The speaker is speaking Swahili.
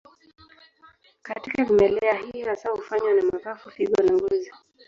Katika vimelea hii hasa hufanywa na mapafu, figo na ngozi.